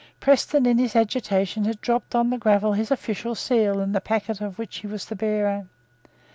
Preston, in his agitation, had dropped on the gravel his official seal and the packet of which he was the bearer.